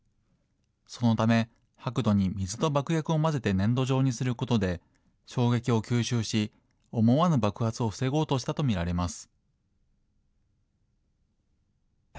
そのため、白土に水と爆薬を混ぜて粘土状にすることで、衝撃を吸収し、思わぬ爆発を防ごうとしたと見られます。